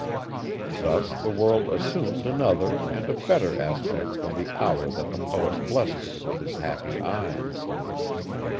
Thus the world assumed another and a better aspect from the hour that the poet blessed it with his happy eyes.